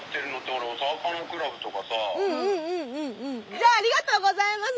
じゃあありがとうございます。